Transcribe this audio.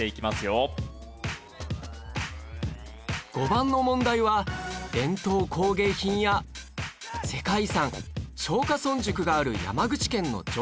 ５番の問題は伝統工芸品や世界遺産松下村塾がある山口県の城下町